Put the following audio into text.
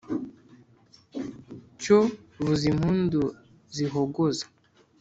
cyo vuza impundu z’ihogoza